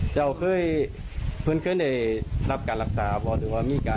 เจ้าเคยเฟื่อนเค้านายลับการรักษานะครับลอสทิวว่ามีการ